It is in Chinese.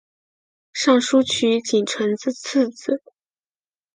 尚书瞿景淳之次子。